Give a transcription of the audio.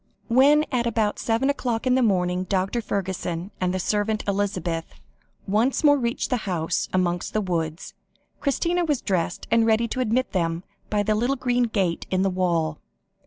When at about seven o'clock in the morning, Dr. Fergusson, and the servant Elizabeth, once more reached the house amongst the woods, Christina was dressed and ready to admit them by the little green gate in the wall.